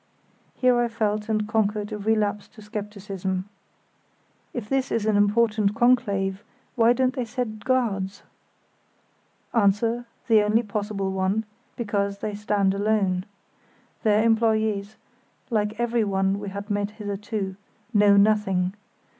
Here I felt and conquered a relapse to scepticism. "If this is an important conclave why don't they set guards?" Answer, the only possible one, "Because they stand alone. Their employés, like everyone we had met hitherto, know nothing.